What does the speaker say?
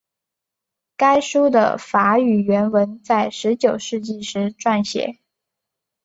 该书的法语原文在十九世纪时撰写。